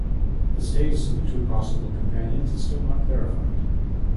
The status of the two possible companions is still not clarified.